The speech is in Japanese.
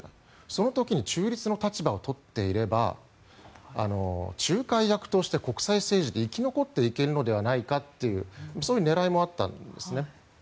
その時に中立の立場を取っていれば仲介役として国際政治で生き残っていけるんじゃないかというそういう狙いもあったんですね。